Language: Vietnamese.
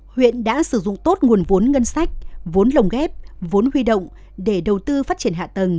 huyện đã sử dụng tốt nguồn vốn ngân sách vốn lồng ghép vốn huy động để đầu tư phát triển hạ tầng